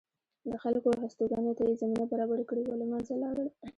د خلکو هستوګنې ته یې زمینه برابره کړې وه له منځه لاړل